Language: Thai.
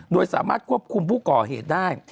โดยสามารถควบคุมผู้ก่อเหตุได้